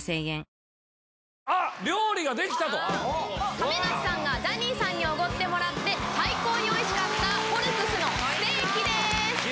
亀梨さんがジャニーさんにおごってもらって最高においしかったＶＯＬＫＳのステーキです。